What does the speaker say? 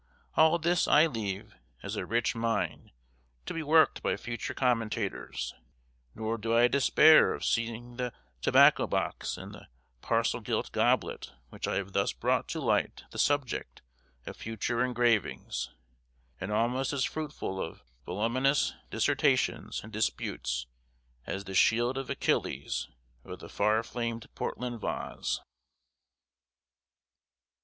All this I leave, as a rich mine, to be worked by future commentators, nor do I despair of seeing the tobacco box, and the "parcel gilt goblet" which I have thus brought to light the subject of future engravings, and almost as fruitful of voluminous dissertations and disputes as the shield of Achilles or the far famed Portland Vase.